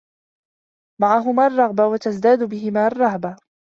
مَعَهُمَا الرَّغْبَةُ ، وَتَزْدَادُ بِهِمَا الرَّهْبَةُ